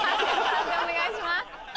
判定お願いします。